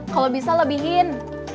kalau bisa lebihin